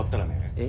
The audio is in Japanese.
え？